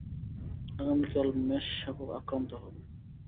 আগামীকাল মেষশাবক আক্রান্ত হবে।